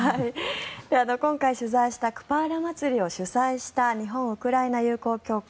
今回取材したクパーラ祭りを主催した日本ウクライナ友好協会